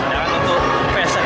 dan untuk fashion